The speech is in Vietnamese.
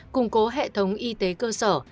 củng cố hệ thống y tế cơ sở